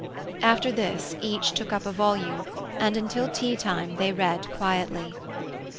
After this each took up a volume, and until teatime they read quietly.